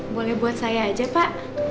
boleh buat saya aja pak